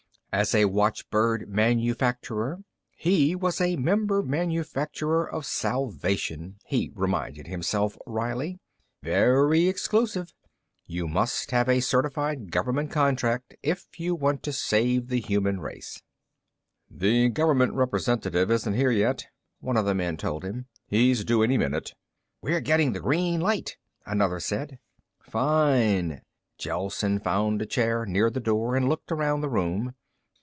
As a watchbird manufacturer, he was a member manufacturer of salvation, he reminded himself wryly. Very exclusive. You must have a certified government contract if you want to save the human race. "The government representative isn't here yet," one of the men told him. "He's due any minute." "We're getting the green light," another said. "Fine." Gelsen found a chair near the door and looked around the room.